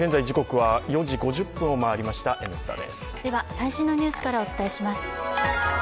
最新のニュースからお伝えします。